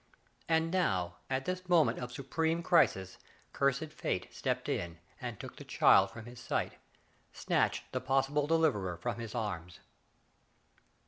And now, at this moment of supreme crisis, cursed Fate stepped in and took the child from his sight, snatched the possible deliverer from his arms